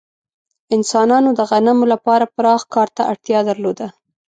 انسانانو د غنمو لپاره پراخ کار ته اړتیا درلوده.